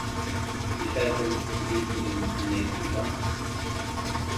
Die Falcons entließen ihn am nächsten Tag.